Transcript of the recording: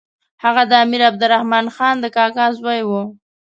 هغه د امیر عبدالرحمن خان د کاکا زوی وو.